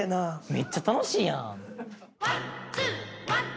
めっちゃ楽しいやん！